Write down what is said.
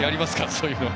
そういうのが。